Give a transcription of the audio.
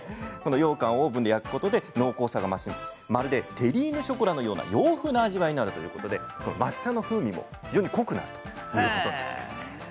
ようかんをオーブンで焼くことで濃厚さが増してまるでテリーヌショコラのような洋風な味わいになるということで抹茶の風味も非常に濃くなるそうです。